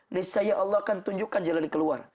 nishaya allah akan tunjukkan jalan keluar